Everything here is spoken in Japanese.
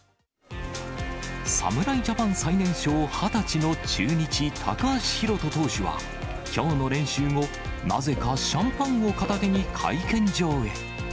侍ジャパン最年少、２０歳の中日、高橋宏斗投手は、きょうの練習後、なぜかシャンパンを片手に会見場へ。